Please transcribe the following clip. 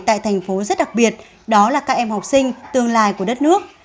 tại thành phố rất đặc biệt đó là các em học sinh tương lai của đất nước